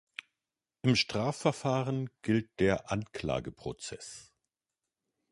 Im Strafverfahren gilt der Anklageprozess.